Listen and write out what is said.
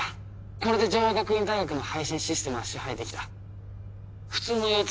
これで城和学院大学の配信システムは支配できた普通のようつ